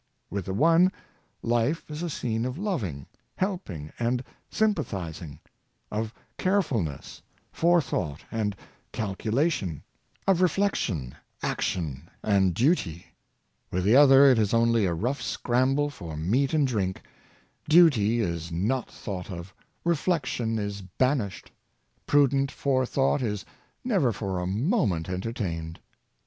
With the one, life is a scene of loving, helping, and sympathizing; of carefulness, forethought, and calculation; of reflec tion, action and duty; with the other, it is only a rough scramble for meat and drink; duty is not thought of, 16 Living ai Hovie. reflection is banished, prudent forethought is never for a moment entertained.